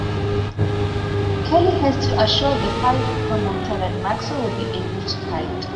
Kelly has to assure the fight promoter that Maxo will be able to fight.